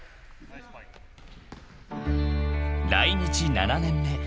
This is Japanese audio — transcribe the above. ［来日７年目］